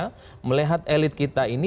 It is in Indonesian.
karena melihat elit kita ini